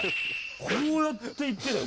こうやって行ってたよ